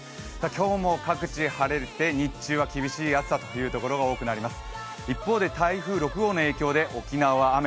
今日も各地、晴れて日中は厳しい暑さというところが多くなります。